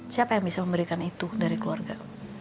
siapa yang bisa memberikan itu dari keluarga